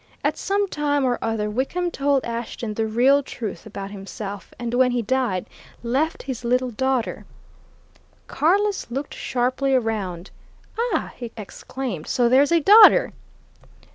At some time or other, Wickham told Ashton the real truth about himself, and when he died, left his little daughter " Carless looked sharply round. "Ah!" he exclaimed. "So there's a daughter?"